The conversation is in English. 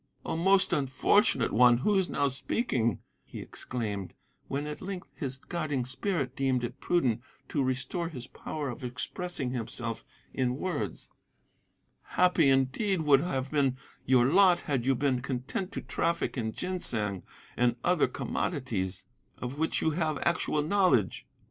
"'O most unfortunate one who is now speaking,' he exclaimed, when at length his guarding spirit deemed it prudent to restore his power of expressing himself in words, 'happy indeed would have been your lot had you been content to traffic in ginseng and other commodities of which you have actual knowledge.